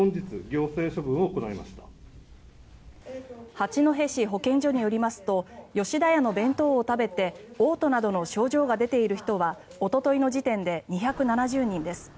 八戸市保健所によりますと吉田屋の弁当を食べておう吐などの症状が出ている人はおとといの時点で２７０人です。